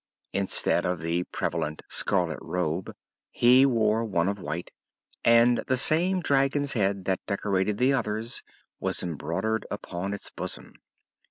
Instead of the prevalent scarlet robe, he wore one of white, and the same dragon's head that decorated the others was embroidered upon its bosom.